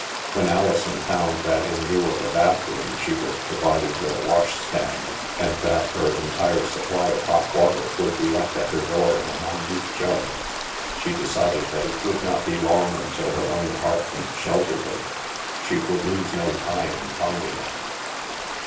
When Alison found that in lieu of a bathroom she was provided with a washstand, and that her entire supply of hot water would be left at her door in a minute jug, she THE MAELSTROM 113 decided that it would Hot be long until her own apartment sheltered her. She would lose no time in finding it.